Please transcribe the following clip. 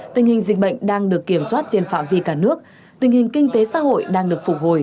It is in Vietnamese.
tình hình dịch bệnh đang được kiểm soát trên phạm vi cả nước tình hình kinh tế xã hội đang được phục hồi